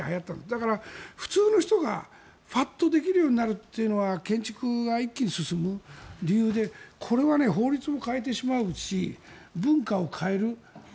だから普通の人がパッとできるようになるというのは建築が一気に進む理由でこれは法律を変えてしまうし文化を変える。